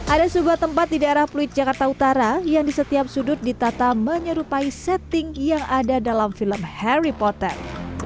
ada sebuah tempat di daerah pluit jakarta utara yang di setiap sudut ditata menyerupai setting yang ada dalam film harry potter